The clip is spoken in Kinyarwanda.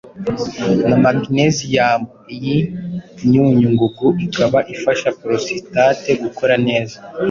na magnesium. Iyi myunyungugu ikaba ifasha porositate gukora neza